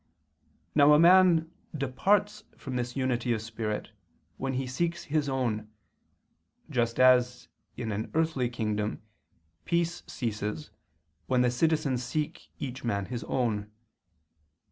Now a man departs from this unity of spirit when he seeks his own; just as in an earthly kingdom peace ceases when the citizens seek each man his own.